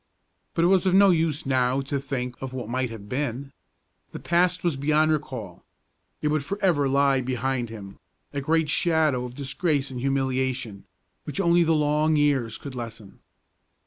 But it was of no use now to think of what might have been. The past was beyond recall. It would lie forever behind him, a great shadow of disgrace and humiliation, which only the long years could lessen.